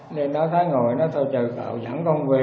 nên nó thấy ngồi nói thôi chờ cậu dẫn con về